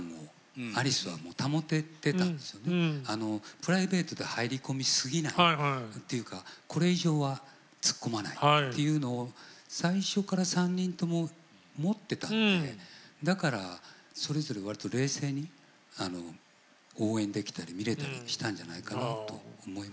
プライベートで入り込みすぎないというかこれ以上は突っ込まないというのを最初から３人とも持ってたんでだからそれぞれわりと冷静に応援できたり見れたりしたんじゃないかなと思いますね。